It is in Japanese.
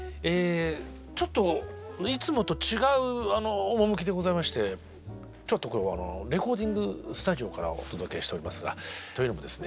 ちょっといつもと違う趣でございましてレコーディングスタジオからお届けしておりますがというのもですね